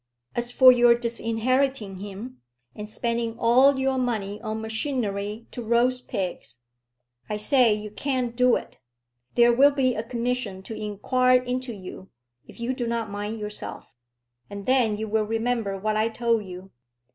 As for your disinheriting him, and spending all your money on machinery to roast pigs, I say you can't do it. There will be a commission to inquire into you if you do not mind yourself, and then you will remember what I told you.